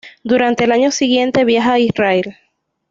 Durante el año siguiente viaja a Israel.